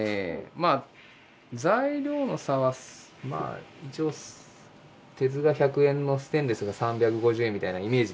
まあ材料の差は一応鉄が１００円のステンレスが３５０円みたいなイメージですけど。